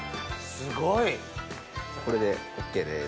すごい！これでＯＫです。